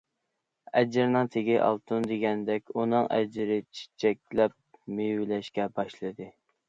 ‹‹ ئەجىرنىڭ تېگى ئالتۇن›› دېگەندەك، ئۇنىڭ ئەجرى چېچەكلەپ مېۋىلەشكە باشلىدى.